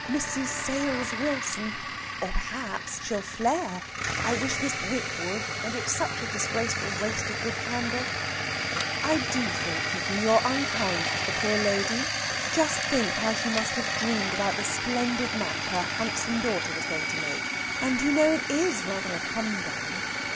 Mrs. Sales Wilson! Or perhaps she'll flare. (I wish this wick would; and it's such disgraceful waste of good candle!)" "I do think, kitten, you're unkind to the poor lady. Just think how she must have dreamed about the splendid match her handsome daughter was going to make! And, you know, it is rather a come down...."